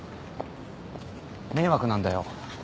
迷惑なんだよ。